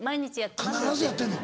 必ずやってるの？